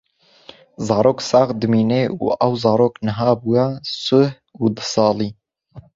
Zarok sax dimîne û ew zarok niha bûye sî û du salî